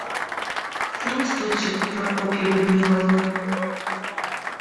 Здравствуйте, Прокопья Людмиловна.